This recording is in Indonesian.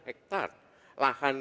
enam puluh hektar lahan